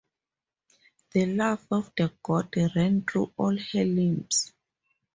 The love of the god ran through all her limbs.